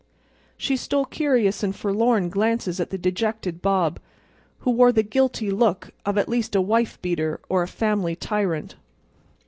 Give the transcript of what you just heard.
She stole curious and forlorn glances at the dejected Bob, who bore the guilty look of at least a wife beater or a family tyrant.